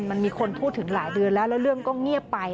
มันมีคนพูดถึงหลายเดือนแล้วแล้วเรื่องก็เงียบไป